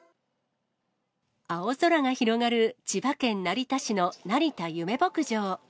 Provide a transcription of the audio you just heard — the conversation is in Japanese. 青空が広がる千葉県成田市の成田ゆめ牧場。